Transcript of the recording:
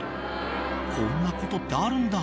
こんなことってあるんだ。